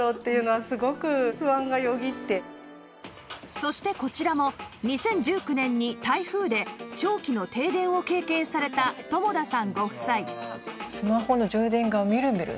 そしてこちらも２０１９年に台風で長期の停電を経験された友田さんご夫妻